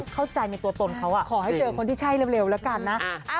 เข้าใจในตัวตนเขาขอให้เจอคนที่ใช่เร็วแล้วกันนะ